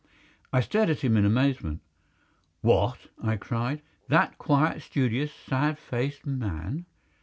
I stared at him in amazement. "What!" I cried, "that quiet, studious, sad faced man?"